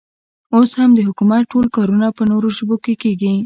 اوس هم د حکومت ټول کارونه په نورو ژبو کې کېږي.